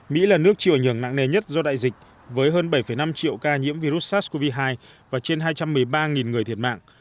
mỹ là nước chịu ảnh hưởng nặng nề nhất do đại dịch với hơn bảy năm triệu ca nhiễm virus sars cov hai và trên hai trăm một mươi ba người thiệt mạng